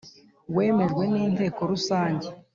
wemejwe n Inteko rusange